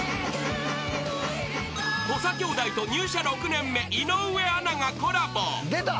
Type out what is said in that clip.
［土佐兄弟と入社６年目井上アナがコラボ］